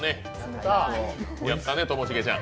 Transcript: やったね、ともしげちゃん。